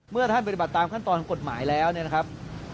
เมื่อท่านปฏิบัติตามขั้นตอนของกฎหมายแล้วเนี่ยนะครับ